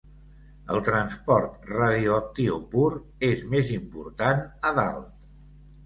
El transport radioactiu pur és més important a dalt.